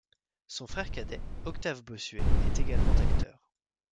Son frère cadet, Octave Bossuet, est également acteur.